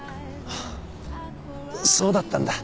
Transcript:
そうだったんだ。